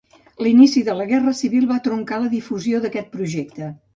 L'inici de la Guerra Civil va truncar la difusió d'aquest projecte.